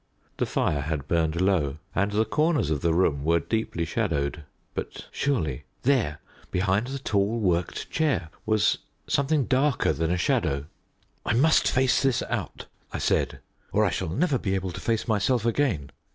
The fire had burned low, and the corners of the room were deeply shadowed; but, surely, there behind the tall worked chair was something darker than a shadow. "I must face this out," I said, "or I shall never be able to face myself again."